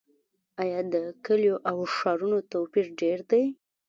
آیا د کلیو او ښارونو توپیر ډیر دی؟